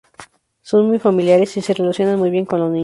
Son muy familiares y se relacionan muy bien con los niños.